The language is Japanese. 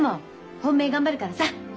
本命頑張るからさっ。